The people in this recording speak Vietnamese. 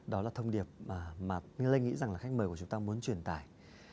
đó là thông điệp mà lê nghĩ rằng là khách mời của chúng ta muốn truyền tải